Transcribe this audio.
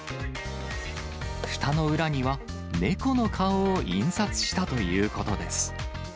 フタの裏には猫の顔を印刷したということです。